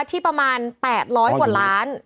ที่ประมาณ๘๐๐กว่าล้าน